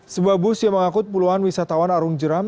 sebuah bus yang mengangkut puluhan wisatawan arung jeram